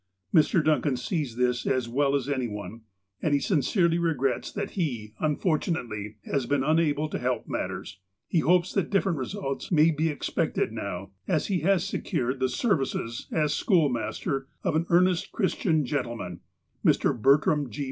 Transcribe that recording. Mr. Duncan sees this as well as any one, and he sincerely regrets that he, unfortunately, has been unable to help matters. He hopes that different results may be expected now, as he has secured the serv ices, as schoolmaster, of an earnest Christian gentleman, Mr. Bertram G.